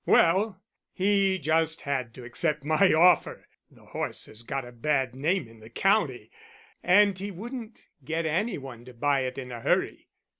Well, he just had to accept my offer! the horse has got a bad name in the county, and he wouldn't get any one to buy it in a hurry.